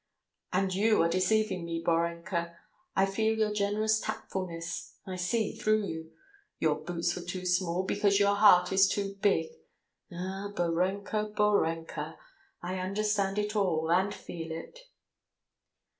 And you are deceiving me, Borenka. ... I feel your generous tactfulness. I see through you! Your boots were too small, because your heart is too big. Ah, Borenka, Borenka! I understand it all and feel it!"